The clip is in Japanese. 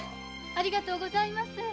ありがとうございます。